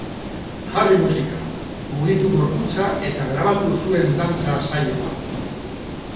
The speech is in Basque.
Jarri musika, mugitu gorputza eta grabatu zuen dantza saioa!